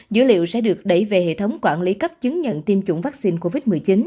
dữ liệu sẽ được đẩy về hệ thống quản lý cấp chứng nhận tiêm chủng vaccine covid một mươi chín